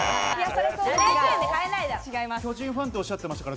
違います。